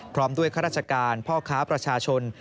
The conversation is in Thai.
พร้อมด้วยข้าราชการพ่อค้าประชาชน